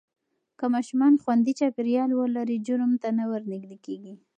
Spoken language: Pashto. که ماشومان خوندي چاپېریال ولري، جرم ته نه ورنږدې کېږي.